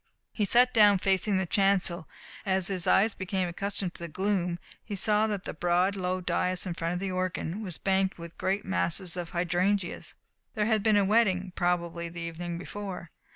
He sat down facing the chancel, and as his eyes became accustomed to the gloom he saw that the broad, low dais in front of the organ was banked with great masses of hydrangeas. There had been a wedding, probably the evening before.